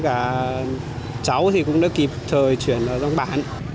và cháu thì cũng đã kịp thời chuyển vào dòng bán